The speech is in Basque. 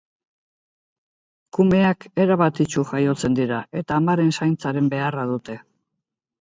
Kumeak erabat itsu jaiotzen dira, eta amaren zaintzaren beharra dute.